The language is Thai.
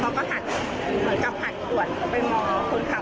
เขาก็หันกลับหันขวดไปมองคนขับ